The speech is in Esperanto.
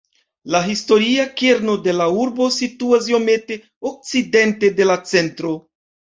La historia kerno de la urbo situas iomete okcidente de la centro.